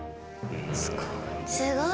すごい。